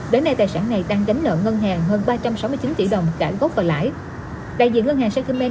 đến nay tài sản này đang gánh nợ ngân hàng hơn ba trăm sáu mươi chín tỷ đồng cả gốc và lãi đại diện ngân hàng sacombank